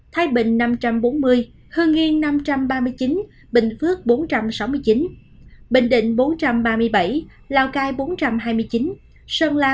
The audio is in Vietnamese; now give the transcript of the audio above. thái bình năm trăm bốn mươi hương nghiên năm trăm ba mươi chín bình phước bốn trăm sáu mươi chín bình định bốn trăm ba mươi bảy lào cai bốn trăm hai mươi chín sơn la bốn trăm hai mươi tám